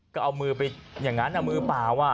ก็เอามือเผา